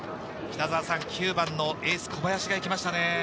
９番のエース・小林が行きました。